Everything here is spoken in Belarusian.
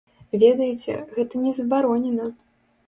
Ведаеце, гэта не забаронена.